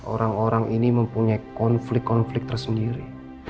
orang orang ini mempunyai konflik konflik tersendiri